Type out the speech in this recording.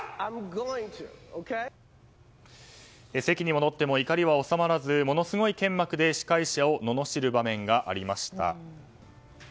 席に戻っても怒りは収まらずものすごい剣幕で司会者をののしる場面がありました。